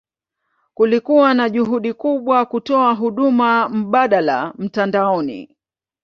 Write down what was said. Kulikuwa na juhudi kubwa kutoa huduma mbadala mtandaoni.